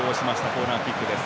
コーナーキックです。